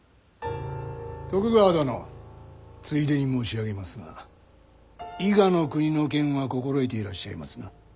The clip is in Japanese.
徳川殿ついでに申し上げますが伊賀国の件は心得ていらっしゃいますな？